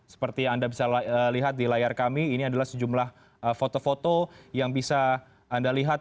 seperti yang anda bisa lihat di layar kami ini adalah sejumlah foto foto yang bisa anda lihat